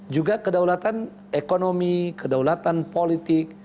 juga kedaulatan ekonomi kedaulatan politik